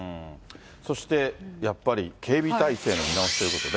そして、やっぱり警備体制の見直しということで。